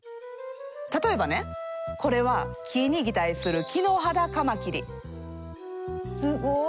例えばねこれは木に擬態するすごい！